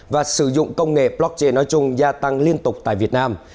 và sử dụng công nghệ blockchain nói chung gia tăng liên tục tại việt nam